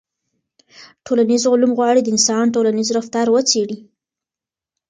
ټولنیز علوم غواړي د انسان ټولنیز رفتار وڅېړي.